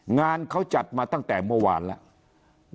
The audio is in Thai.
งานเขาจัดมาตั้งแต่เมื่อวานแล้ว